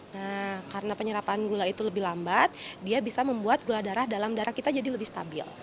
nah karena penyerapan gula itu lebih lambat dia bisa membuat gula darah dalam darah kita jadi lebih stabil